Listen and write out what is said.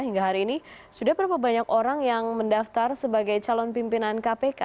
hingga hari ini sudah berapa banyak orang yang mendaftar sebagai calon pimpinan kpk